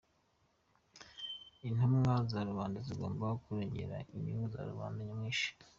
Intumwa za rubanda zigomba kurengera inyungu za rubanda nyamwinshi.